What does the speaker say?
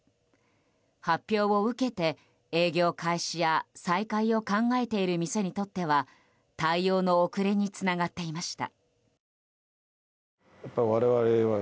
発表を受けて、営業開始や再開を考えている店にとっては対応の遅れにつながっていました。